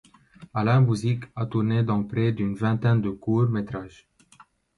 Alain Bouzigues a tourné dans près d'une vingtaine de courts-métrages.